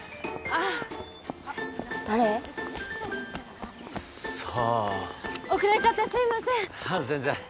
ああ全然。